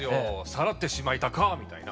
「さらってしまいたかぁ」みたいな。